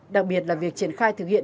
đặc biệt là việc triển khai thực hiện